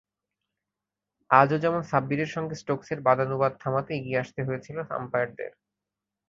আজও যেমন সাব্বিরের সঙ্গে স্টোকসের বাদানুবাদ থামাতে এগিয়ে আসতে হয়েছিল আম্পায়ারদের।